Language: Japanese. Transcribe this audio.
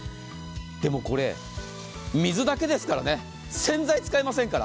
でもこれ、水だけですからね、洗剤使いませんから。